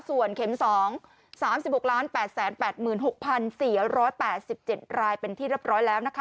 ส่วนเข็ม๒๓๖๘๘๖๔๘๗รายเป็นที่เรียบร้อยแล้วนะคะ